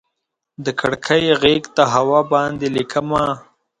د کړکۍ غیږ ته هوا باندې ليکمه